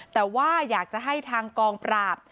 แต่ว่าอยากจะให้ทางกองปราบ